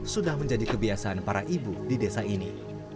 sudah menjadi kebiasaan para ibu di desa ini